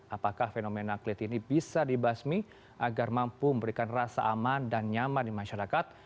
apakah fenomena klit ini bisa dibasmi agar mampu memberikan rasa aman dan nyaman di masyarakat